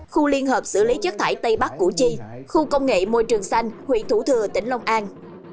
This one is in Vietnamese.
khu liên hợp xử lý chất thải tây bắc củ chi khu công nghệ môi trường xanh huyện thủ thừa tỉnh long an